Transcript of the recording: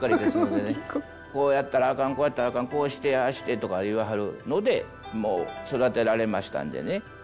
「こうやったらあかんこうやったらあかんこうしてああして」とか言わはるのでもう育てられましたんでね。